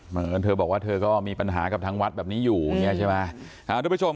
เหมือนเธอบอกว่าเธอก็มีปัญหากับทางวัดแบบนี้อยู่อย่างนี้ใช่ไหม